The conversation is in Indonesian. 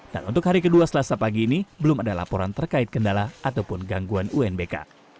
dan untuk hari kedua selasa pagi ini belum ada laporan terkait kendala ataupun gangguan unbk